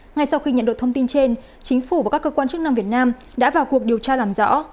ngay sau khi nhận được thông tin trên chính phủ và các cơ quan chức năng việt nam đã vào cuộc điều tra làm rõ